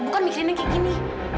bukan mikirin ki gini